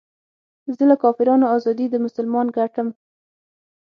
زه له کافرانو ازادي د مسلمان ګټم